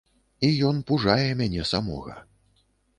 І ён пужае мяне самога.